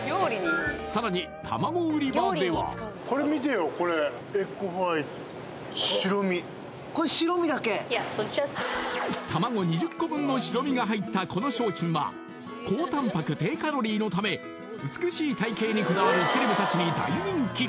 更に卵売り場では卵２０個分の白身が入ったこの商品は、高タンパク低カロリーのため、美しい体型にこだわるセレブたちに大人気。